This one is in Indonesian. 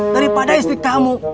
daripada istri kamu